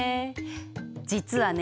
実はね